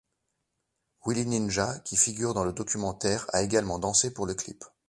Willi Ninja, qui figure dans le documentaire, a également dansé pour le clip.